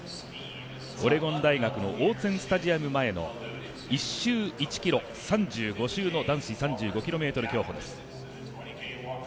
オレゴン大学のオーツェン・スタジアム前の、１周１ｋｍ３５周の男子３５ｋｍ競歩です。